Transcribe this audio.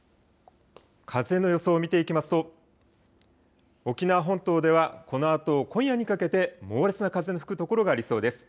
風の予想を見ていきますと沖縄本島ではこのあと今夜にかけて猛烈な風の吹く所がありそうです。